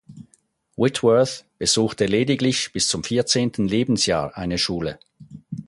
Whitworth besuchte lediglich bis zum vierzehnten Lebensjahr eine Schule.